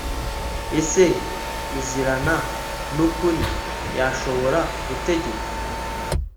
ese uzirana n'ukuri yashobora gutegeka